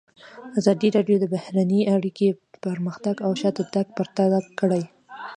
ازادي راډیو د بهرنۍ اړیکې پرمختګ او شاتګ پرتله کړی.